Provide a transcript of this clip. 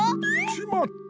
しまった！